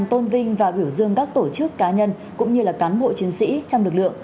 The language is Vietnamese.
tôn vinh và biểu dương các tổ chức cá nhân cũng như là cán bộ chiến sĩ trong lực lượng